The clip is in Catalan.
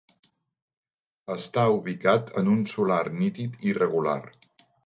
Està ubicat en un solar nítid i regular.